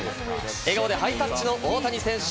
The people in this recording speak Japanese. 笑顔でハイタッチの大谷選手。